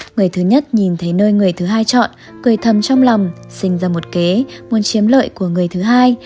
người thứ nhất nhìn thấy nơi người thứ hai chọn cười thầm trong lòng sinh ra một kế muốn chiếm lợi của người thứ hai